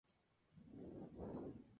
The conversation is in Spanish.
En España destacó Luis Ricardo Falero.